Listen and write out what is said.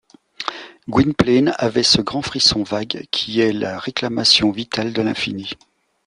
Gwynplaine avait ce grand frisson vague qui est la réclamation vitale de l’infini.